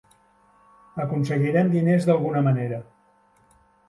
Aconseguirem diners d'alguna manera.